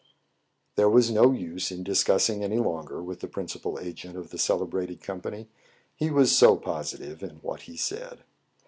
'* There was no use in discussing any longer with the principal agent of the celebrated company, he was so positive in what he said.